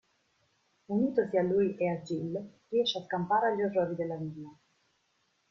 Unitosi a lui e a Jill, riesce a scampare agli orrori della villa.